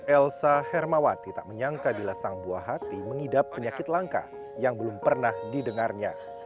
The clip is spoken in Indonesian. elsa hermawati tak menyangka bila sang buah hati mengidap penyakit langka yang belum pernah didengarnya